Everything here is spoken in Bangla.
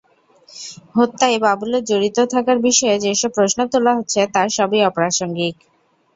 হত্যায় বাবুলের জড়িত থাকার বিষয়ে যেসব প্রশ্ন তোলা হচ্ছে, তার সবই অপ্রাসঙ্গিক।